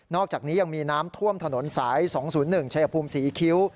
นอกจากนี้ยังมีน้ำท่วมถนนสายสองศูนย์หนึ่งชะยะภูมิสีคิ้ว